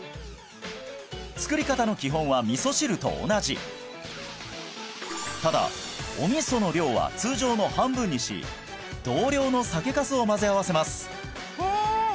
作り方の基本は味噌汁と同じただお味噌の量は通常の半分にし同量の酒粕を混ぜ合わせます